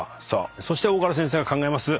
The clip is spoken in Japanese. そして大河原先生が考えます